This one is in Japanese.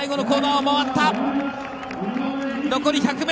残り１００ｍ。